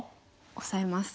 オサえますね。